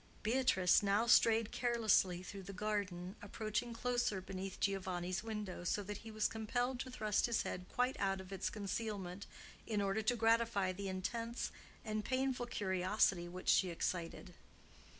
Beatrice now strayed carelessly through the garden, approaching closer beneath Giovanni's window, so that he was compelled to thrust his head quite out of its concealment in order to gratify the intense and painful curiosity which she excited.